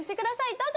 どうぞ。